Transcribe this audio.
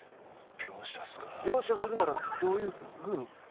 描写っすか描写するならどういうふうにする？